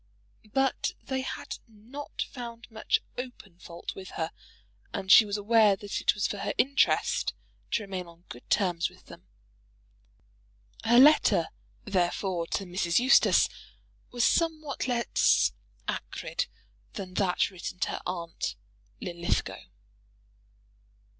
But they had not found much open fault with her, and she was aware that it was for her interest to remain on good terms with them. Her letter, therefore, to Mrs. Eustace was somewhat less acrid than that written to her aunt Linlithgow.